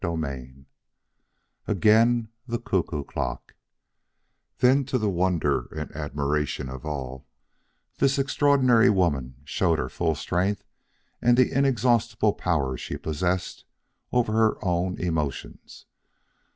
XXXIII AGAIN THE CUCKOO CLOCK Then to the wonder and admiration of all, this extraordinary woman showed her full strength and the inexhaustible power she possessed over her own emotions.